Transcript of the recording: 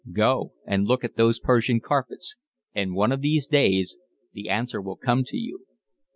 Go and look at those Persian carpets, and one of these days the answer will come to you."